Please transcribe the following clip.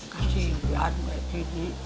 kasian kayak gini